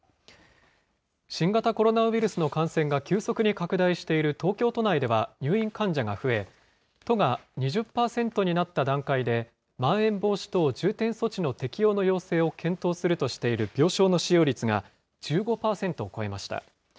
新型コロナウイルスの感染が急速に拡大している東京都内では入院患者が増え、都が２０％になった段階で、まん延防止等重点措置の適用の要請を検討するとしている病床の使用率が１５％を超えました。